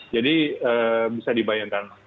jadi bisa dibayangkan